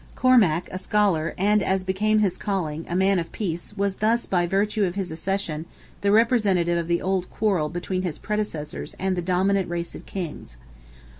Cormac, a scholar, and, as became his calling, a man of peace, was thus, by virtue of his accession, the representative of the old quarrel between his predecessors and the dominant race of kings.